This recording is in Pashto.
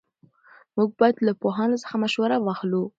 موږ باید له پوهانو څخه مشوره واخلو.